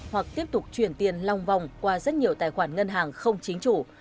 hoặc tiếp tục chuyển tiền long vòng qua rất nhiều tài khoản ngân hàng không chính chủ